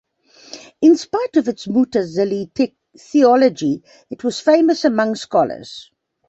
In spite of its Mu'tazili theology it was famous among scholars.